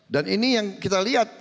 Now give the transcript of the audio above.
dan ini yang kita lihat